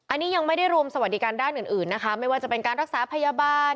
อันนี้ยังไม่ได้รวมสวัสดิการด้านอื่นอื่นนะคะไม่ว่าจะเป็นการรักษาพยาบาล